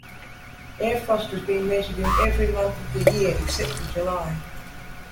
Air frost has been measured in every month of the year except for July.